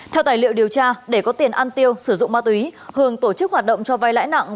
theo tài liệu điều tra để có tiền ăn tiêu sử dụng ma túy hường tổ chức hoạt động cho vay lãi nặng